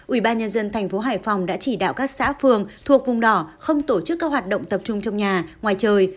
ủy ban nhân dân thành phố hải phòng đã chỉ đạo các xã phường thuộc vùng đỏ không tổ chức các hoạt động tập trung trong nhà ngoài trời